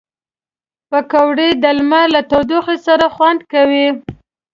پکورې د لمر له تودوخې سره خوند کوي